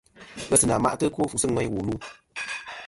Ghesɨnà ma'tɨ ɨkwo fu sɨ ŋweyn wu lu.